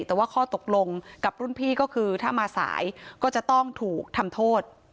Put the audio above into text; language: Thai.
แต่ว่าข้อตกลงกับรุ่นพี่ก็คือถ้ามาสายก็จะต้องถูกทำโทษ